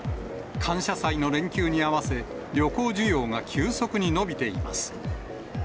感謝祭の連休に合わせ、旅行需要が急速に伸びています。